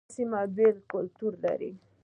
هر سيمه بیل کلتور لري